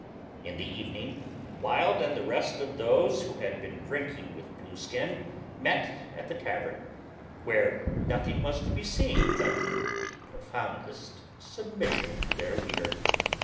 In the evening Wild and the rest of those who had been drinking with Blueskin met at the tavern, where nothing was to be seen but the profoundest submission to their leader.